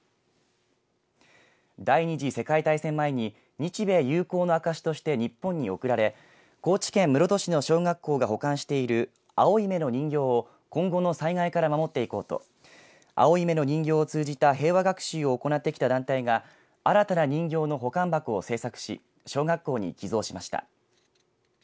第２次世界大戦前に日米友好の証しとして日本に贈られ高知県室戸市の小学校が保管している青い目の人形を今後の災害から守っていこうと青い目の人形を通じた平和学習を行ってきた団体が新たな人形の保管箱を製作し小学校に寄贈しました。